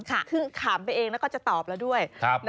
คือขำไปเองแล้วก็จะตอบแล้วด้วย